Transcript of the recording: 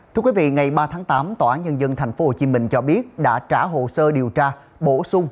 thưa quý vị ngày ba tháng tám tòa án nhân dân tp hcm cho biết đã trả hồ sơ điều tra bổ sung